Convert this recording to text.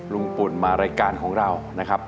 ปุ่นมารายการของเรานะครับ